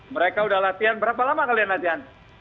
mereka udah latihan berapa lama kalian latihan